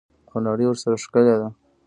او نړۍ ورسره ښکلې ده.